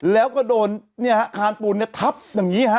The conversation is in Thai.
แล้วก็โดนนี่ฮะคาลปุ่นนี่ทับอย่างนี้ฮะ